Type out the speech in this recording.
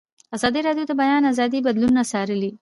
ازادي راډیو د د بیان آزادي بدلونونه څارلي.